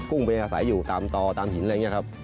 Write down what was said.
กุ้งมันจะสายอยู่ตามตอตามหินอะไรอย่างนี้ครับ